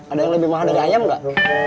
ada yang lebih mahal dari ayam nggak